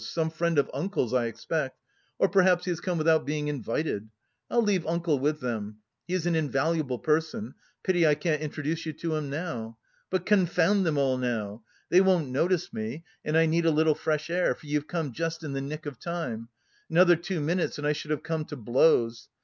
Some friend of uncle's, I expect, or perhaps he has come without being invited... I'll leave uncle with them, he is an invaluable person, pity I can't introduce you to him now. But confound them all now! They won't notice me, and I need a little fresh air, for you've come just in the nick of time another two minutes and I should have come to blows!